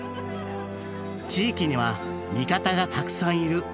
地域には味方がたくさんいる。